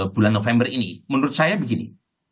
bulan november ini menurut saya begini